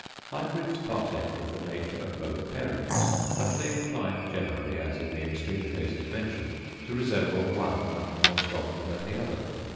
Hybrids partake of the nature of both parents, but they incline generally, as in the extreme cases mentioned, to resemble one much more strongly than the other.